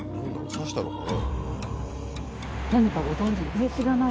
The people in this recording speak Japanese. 刺したのかな？